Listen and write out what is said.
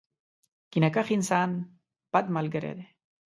کینه کښ انسان ، بد ملګری دی.